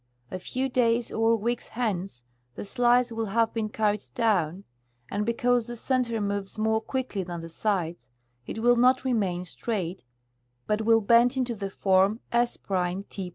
A few days or weeks hence the slice will have been carried down, and because the center moves more quickly than the sides it will not remain straight, but will bend into the form S^ T'